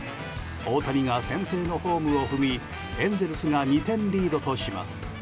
大谷が先制のホームを踏みエンゼルスが２点リードとします。